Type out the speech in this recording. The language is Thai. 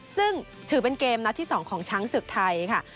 ซึ่งถือเป็นเกมนัดที่๒ของช้างศึกไทยค่ะ